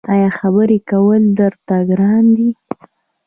ایا خبرې کول درته ګران دي؟